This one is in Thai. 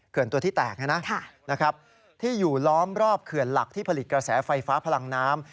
ตัวที่แตกที่อยู่ล้อมรอบเขื่อนหลักที่ผลิตกระแสไฟฟ้าพลังน้ำ